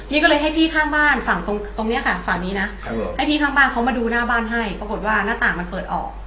นี่ก็เลยให้พี่ข้างบ้านฝั่งตรงเนี้ยค่ะฝั่งนี้นะให้พี่ข้างบ้านเขามาดูหน้าบ้านให้ปรากฏว่าหน้าต่างมันเปิดออก